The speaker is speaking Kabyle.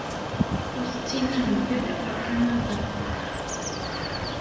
Ur tettinigemt ara ɣer Kanada.